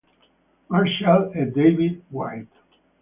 Marshall e David White.